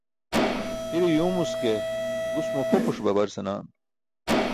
Hire yuwmus ke gus mo pʰopus babar senaan.